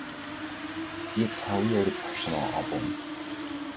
It's a really personal album.